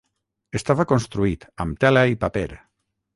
Estava construït amb tela i paper.